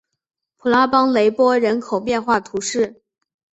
普拉邦雷波人口变化图示